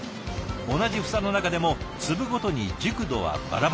同じ房の中でも粒ごとに熟度はバラバラ。